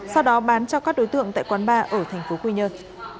sau đó bán cho các đối tượng tại quán ba ở tp quy nhơn